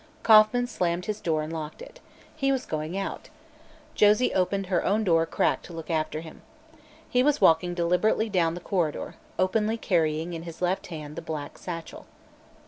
Kauffman slammed his door and locked it. He was going out. Josie opened her own door a crack to look after him. He was walking deliberately down the corridor, openly carrying in his left hand the black satchel.